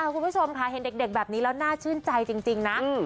คุณผู้ชมค่ะเห็นเด็กแบบนี้แล้วน่าชื่นใจจริงนะ